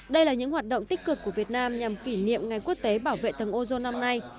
đây là những hoạt động tích cực của việt nam nhằm kỷ niệm ngày quốc tế bảo vệ tầng ozone năm nay